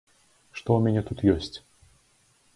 Што ў мяне тут ёсць?